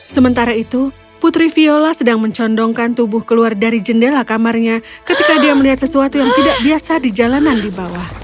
sementara itu putri viola sedang mencondongkan tubuh keluar dari jendela kamarnya ketika dia melihat sesuatu yang tidak biasa di jalanan di bawah